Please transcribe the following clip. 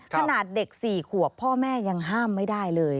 ขนาดเด็ก๔ขวบพ่อแม่ยังห้ามไม่ได้เลย